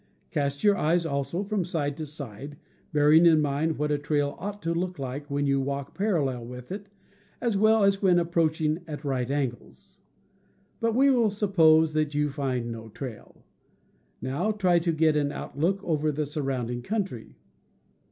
Cast your eyes, also, from side to side, bearing in mind what a trail ought to look like when you walk parallel with it, as well as when approaching at right angles. But we will suppose that you find no trail. Now try to get an outlook over the surrounding country.